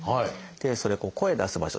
それは声出す場所